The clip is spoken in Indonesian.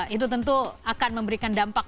itu tentu akan memberikan dampak